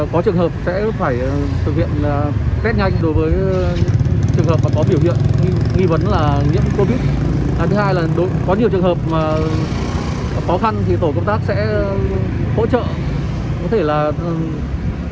có trường hợp sẽ phải thực hiện rất nhanh đối với trường hợp có biểu hiện nghi vấn là nhiễm covid